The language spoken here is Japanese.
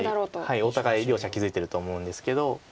はいお互い両者気付いてると思うんですけど。